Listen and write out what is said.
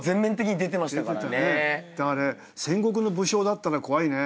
あれ戦国の武将だったら怖いね。